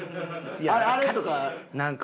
あれとか。